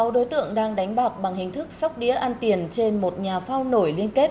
một mươi sáu đối tượng đang đánh bọc bằng hình thức sóc đía ăn tiền trên một nhà phao nổi liên kết